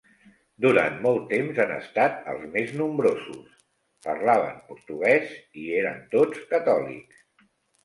Durant molt temps han estat els més nombrosos, parlaven portuguès i eren tots catòlics.